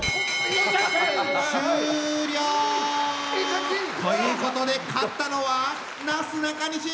終了！ということで勝ったのはなすなかにし！